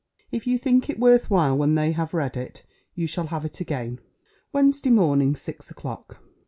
If you think it worth while when they have read it, you shall have it again. WEDNESDAY MORNING, SIX O'CLOCK.